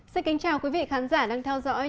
xin kính chào quý vị khán giả đang theo dõi